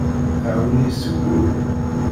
Tɛawen-iyi seg wul.